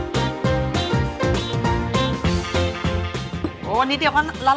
อาหาร